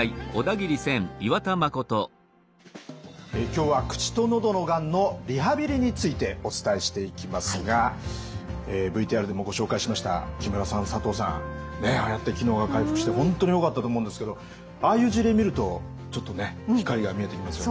今日は口と喉のがんのリハビリについてお伝えしていきますがＶＴＲでもご紹介しました木村さん佐藤さんああやって機能が回復して本当によかったと思うんですけどああいう事例見るとちょっとね光が見えてきますよね。